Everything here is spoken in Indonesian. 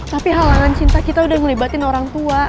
tapi halangan cinta kita udah ngelibatin orang tua